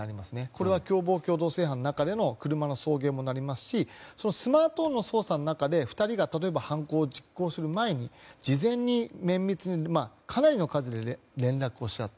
これは共謀共同正犯の中で車の送迎もなりますしスマートフォンの操作の中で２人が例えば犯行を実行する前に事前に綿密に、かなりの数で連絡をした。